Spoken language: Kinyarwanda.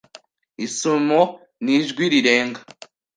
Isumo n'ijwi rirenga